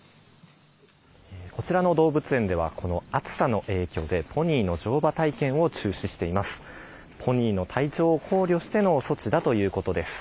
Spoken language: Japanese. こちらの動物園ではこの暑さの影響でポニーの乗馬体験を中止しています。